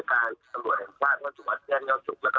แล้วก็ท่านรอบของประสบรรยาชาติรัฐสวรรค์